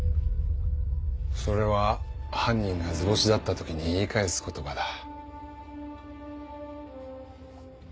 それは犯人が図星だった時に言い返す言葉だ。